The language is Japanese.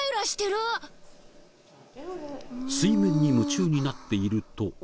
水面に夢中になっていると。